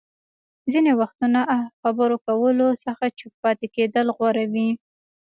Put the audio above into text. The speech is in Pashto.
ځينې وختونه اه خبرو کولو څخه چوپ پاتې کېدل غوره وي.